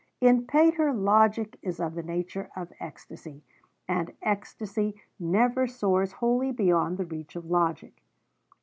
In Pater logic is of the nature of ecstasy, and ecstasy never soars wholly beyond the reach of logic.